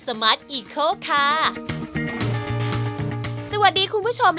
และมีบางคนเนะของทุพกัน